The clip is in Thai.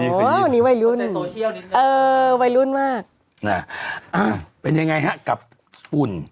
อันนี้วัยรุ่นเออวัยรุ่นมากเป็นยังไงฮะกับฝุ่น